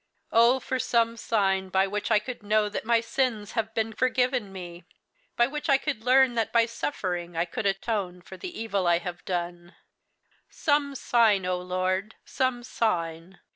Oh for some sign by which I could know that my sins have been forgiven me! by which I could learn that by suffering I could atone for the evil I have done! Some sign, O Lord, some sign!"